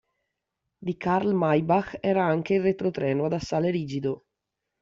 Di Karl Maybach era anche il retrotreno ad assale rigido.